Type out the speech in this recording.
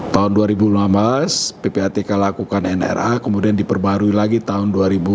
tahun dua ribu enam belas ppatk lakukan nra kemudian diperbarui lagi tahun dua ribu dua puluh